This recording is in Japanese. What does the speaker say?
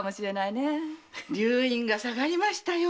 溜飲が下がりましたよ。